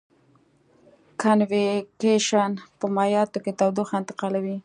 کنویکشن په مایعاتو کې تودوخه انتقالوي.